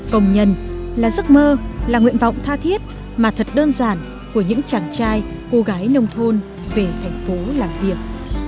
công nhân là giấc mơ là nguyện vọng tha thiết mà thật đơn giản của những chàng trai cô gái nông thôn về thành phố làm việc